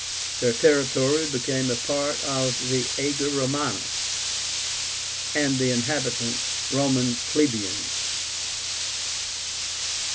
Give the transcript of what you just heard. Their territory became part of the Ager Románus, and the inhabitants Roman plebeians.